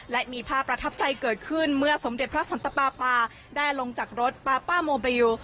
และมีภาพประทับใจเกิดขึ้นเมื่อสมเด็จพระสันตปาปาได้ลงจากรถปาป้าโมเบล